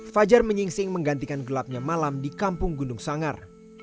fajar menyingsing menggantikan gelapnya malam di kampung gunung sangar